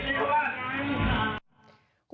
แล้วผมว่าอะไร